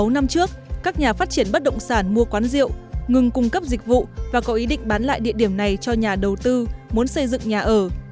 sáu năm trước các nhà phát triển bất động sản mua quán rượu ngừng cung cấp dịch vụ và có ý định bán lại địa điểm này cho nhà đầu tư muốn xây dựng nhà ở